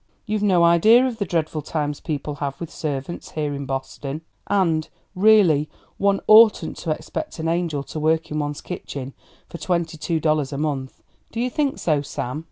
"You've no idea of the dreadful times people have with servants here in Boston. And, really, one oughtn't to expect an angel to work in one's kitchen for twenty two dollars a month; do you think so, Sam?"